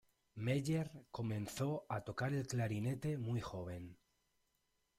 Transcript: Meyer comenzó a tocar el clarinete muy joven.